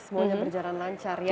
semuanya berjalan lancar